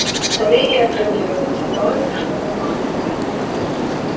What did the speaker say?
Тады і атрымліваецца тое, што мы маем.